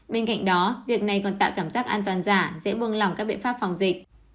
bên cạnh đó việc này còn tạo cảm giác an toàn giả dễ buông lỏng các biện pháp phòng dịch